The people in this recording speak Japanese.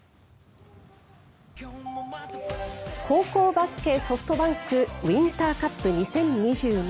高校バスケＳｏｆｔＢａｎｋウインターカップ２０２２。